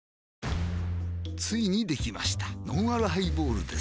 ついにできましたのんあるハイボールです